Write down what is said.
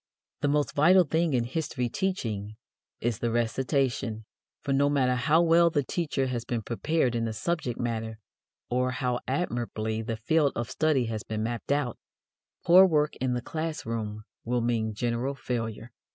The most vital thing in history teaching is the recitation, for no matter how well the teacher has been prepared in the subject matter or how admirably the field of study has been mapped out, poor work in the class room will mean general failure.